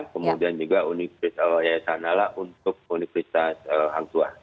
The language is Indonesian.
kemudian juga yayasan nala untuk universitas angkua